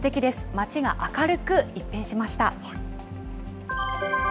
町が明るく一変しました。